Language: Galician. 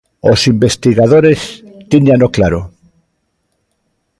Os investigadores tíñano claro.